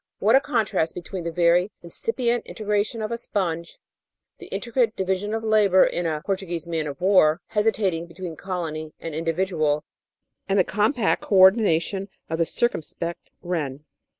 What a contrast between the very incipient integration of a sponge, the intricate division of labour in a "Portuguese Man of War" hesitating between colony and individ ual, and the compact co ordination of the circumspect wren.